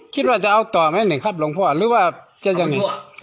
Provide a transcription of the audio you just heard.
คิดว่าจะเอาต่อไหมนี่ครับหลวงพ่อหรือว่าจะยังไง